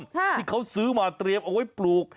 ที่เขาซื้อมาเตรียมเอาไว้ปลูก